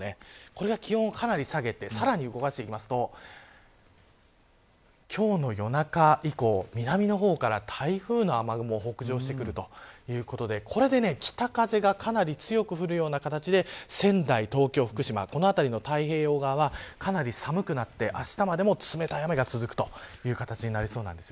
これが気温をかなり下げてさらに動かしていきますと今日の夜中以降、南の方から台風の雨雲が北上してくるということでこれで北風がかなり強く吹く形で仙台、東京、福島この辺りの太平洋側、かなり寒くなってあしたまでも冷たい雨が続くということになりそうです。